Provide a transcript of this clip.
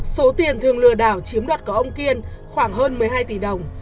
số tiền thường lừa đảo chiếm đoạt của ông kiên khoảng hơn một mươi hai tỷ đồng